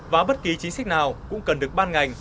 và bất kỳ chính sách nào cũng cần được ban ngành